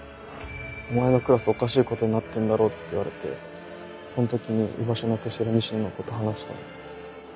「お前のクラスおかしいことになってんだろ？」って言われてその時に居場所なくしてる西野のこと話したの。